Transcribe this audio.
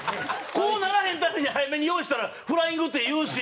こうならへんために早めに用意したらフライングって言うし。